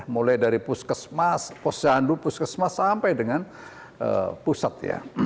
mulai dari puskesmas posyandu puskesmas sampai dengan pusat ya